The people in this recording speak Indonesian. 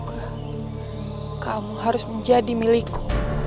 bagaimana perbuatan itu